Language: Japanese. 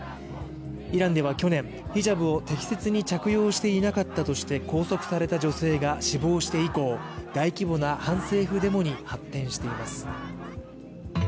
イランでは去年、ヒジャブを適切に着用していなかったとして拘束された女性が死亡して以降大規模な反政府デモに発展しています。